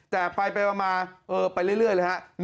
แต่ไปมาไปเรื่อยเลยฮะ